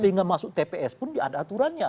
sehingga masuk tps pun ada aturannya